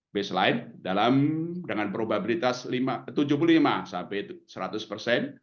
baseline dengan probabilitas tujuh puluh lima sampai seratus persen